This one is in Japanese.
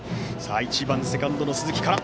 １番、セカンドの鈴木から。